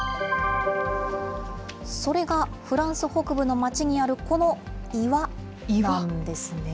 それがフランス北部の町にある、この岩なんですね。